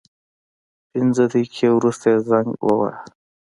پنځه دقیقې وروسته یې زنګ وواهه.